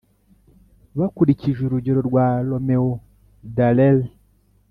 bakurikije urugero rwa roméo dallaire